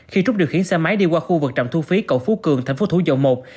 khi trúc điều khiển xe máy đi qua khu vực trạm thu phí cầu phú cường tp thủ dầu một